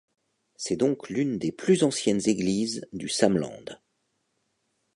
C'est donc l'une des plus anciennes églises du Samland.